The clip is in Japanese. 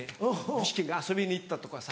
具志堅が遊びに行ったとかさ。